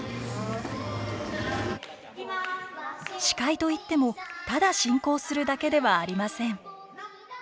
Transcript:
司会といってもただ進行するだけではありません。